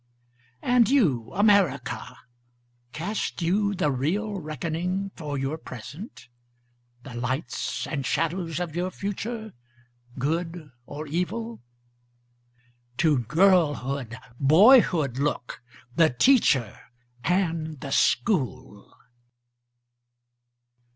And you America, Cast you the real reckoning for your present? The lights and shadows of your future, good or evil? To girlhood, boyhood look, the teacher and the school.